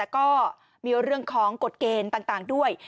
ก็มีเรื่องของกฎเกณฑ์ต่างด้วย